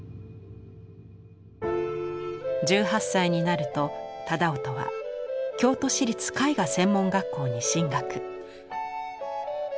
１８歳になると楠音は京都市立絵画専門学校に進学。